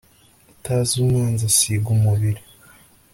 utazi umwanzi asiga umubiri